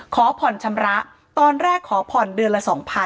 ขอผ่อนชำระตอนแรกขอผ่อนเดือนละ๒๐๐๐